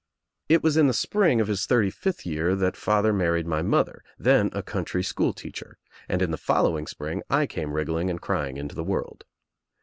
It was In the spring of his thirty fifth year that father married my mother, then a country school teacher, and in the following spring I came wriggling and crying into the world.